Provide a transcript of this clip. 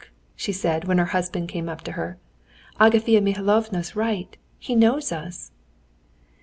she said, when her husband came up to her. "Agafea Mihalovna's right. He knows us!"